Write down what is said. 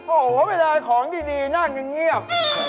โอ้โหเวลาของดีนั่งยังเงียบ